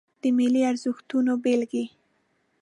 د ملي ارزښتونو بیلګې